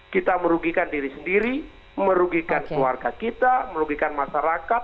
kita merugikan diri sendiri merugikan keluarga kita merugikan masyarakat